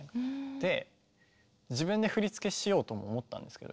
で自分で振り付けしようとも思ったんですけど一瞬。